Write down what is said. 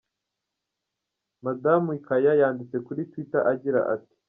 Madamu Kaya yanditse kuri Twitter agira ati:.